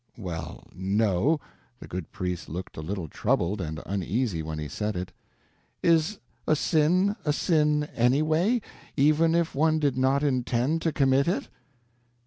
"Well—no." The good priest looked a little troubled and uneasy when he said it. "Is a sin a sin, anyway, even if one did not intend to commit it?"